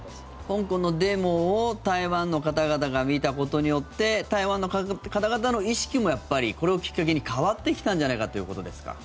香港のデモを台湾の方々が見たことによって台湾の方々の意識もやっぱり、これをきっかけに変わってきたんじゃないかということですか。